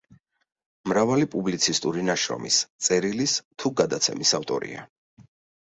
მრავალი პუბლიცისტური ნაშრომის, წერილის თუ გადაცემის ავტორია.